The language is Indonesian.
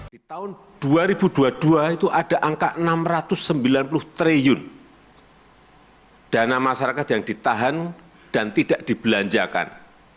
di tahun dua ribu dua puluh dua itu ada angka enam ratus sembilan puluh triliun dana masyarakat yang ditahan dan tidak dibelanjakan